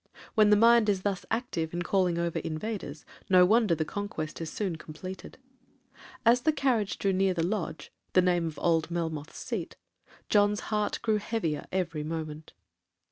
When the mind is thus active in calling over invaders, no wonder the conquest is soon completed. As the carriage drew near the Lodge, (the name of old Melmoth's seat), John's heart grew heavier every moment.